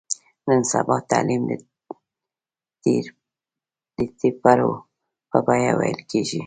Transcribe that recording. نن سبا تعلیم د ټېپرو په بیه ویل کېږي.